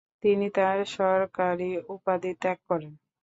তিনি তার সরকারি উপাধি ত্যাগ করেন।